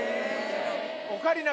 オカリナ